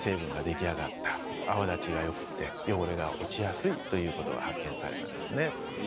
泡立ちがよくて汚れが落ちやすいということが発見されたんですね。